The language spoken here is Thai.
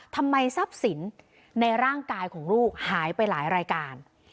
ทำไมทรัพย์สินในร่างกายของลูกหายไปหลายรายการ